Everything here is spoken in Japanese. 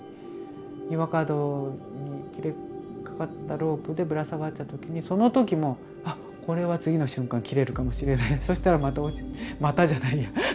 岩角に切れかかったロープでぶら下がってた時にその時もこれは次の瞬間切れるかもしれないそしたらまたまたじゃないや。